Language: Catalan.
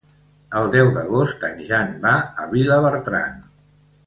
El deu d'agost en Jan va a Vilabertran.